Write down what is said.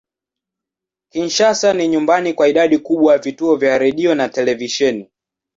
Kinshasa ni nyumbani kwa idadi kubwa ya vituo vya redio na televisheni.